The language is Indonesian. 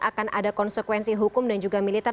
akan ada konsekuensi hukum dan juga militer